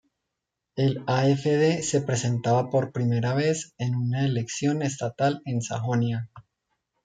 El AfD se presentaba por primera vez en una elección estatal en Sajonia.